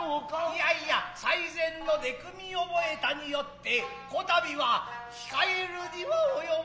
いやいや最前ので汲み覚えたに依ってこたびは控へるには及ばぬ。